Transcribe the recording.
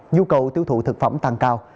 nhu cầu tiêu thụ thực phẩm tăng cao